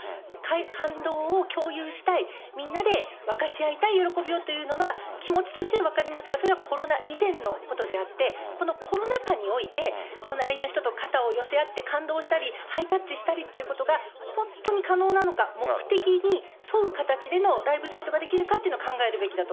感動を共有したい、みんなで分かち合いたい、喜びをというのは、気持ちとしては分かりますが、それはコロナ以前のことであって、このコロナ禍において隣の人と肩を寄せ合って感動したり、ハイタッチしたりということが、本当に可能なのか、目的に沿う形でのライブサイトができるかというのを考えるべきだ